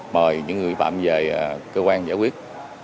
mời những người phạm về cơ quan giải quyết